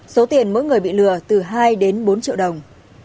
số tiền mỗi người bị lừa từ hai đến bốn triệu đồng